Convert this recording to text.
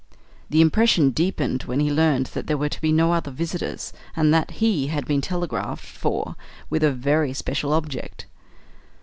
The impression deepened when he learned that there were to be no other visitors, and that he had been telegraphed for with a very special object.